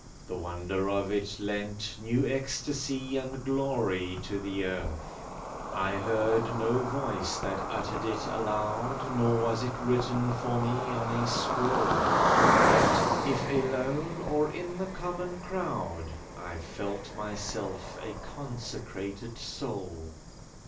The wonder of it lent New ecstasy and glory to the earth. I heard no voice that uttered it aloud, Nor was it written for me on a scroll; Yet, if alone or in the common crowd, I felt myself a consecrated soul.